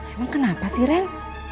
emang kenapa sih ren